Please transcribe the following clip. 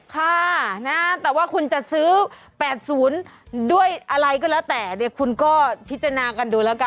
ค่ะนะแต่ว่าคุณจะซื้อ๘๐ด้วยอะไรก็แล้วแต่เนี่ยคุณก็พิจารณากันดูแล้วกัน